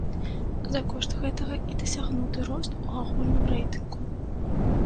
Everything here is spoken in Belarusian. За кошт гэтага і дасягнуты рост у агульным рэйтынгу.